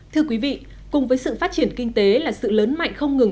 thưa quý vị cùng với sự phát triển kinh tế là sự lớn mạnh không ngừng